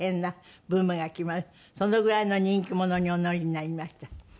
そのぐらいの人気者におなりになりました。